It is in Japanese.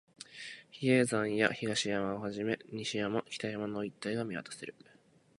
比叡山や東山をはじめ、西山、北山の一帯が見渡せる